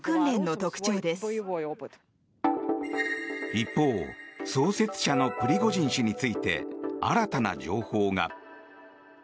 一方創設者のプリゴジン氏について新たな情報が。